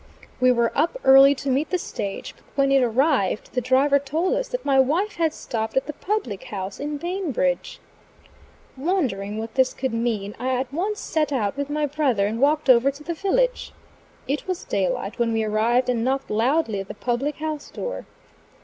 We were up early to meet the stage; but when it arrived, the driver told us that my wife had stopped at the public house in Bainbridge. Wondering what this could mean, I at once set out with my brother and walked over to the village. It was daylight when we arrived, and knocked loudly at the public house door.